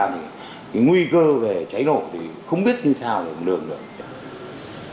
thì nguy cơ về cháy nổ thì không biết như sao được